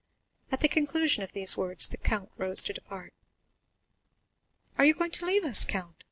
At the conclusion of these words, the count rose to depart. "Are you going to leave us, count?"